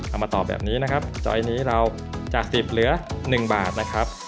เอามาต่อแบบนี้นะครับเจ้าไอ้นี้เราจากสิบเหลือหนึ่งบาทนะครับ